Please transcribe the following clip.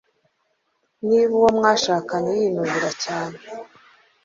Niba uwo mwashakanye yinubira cyane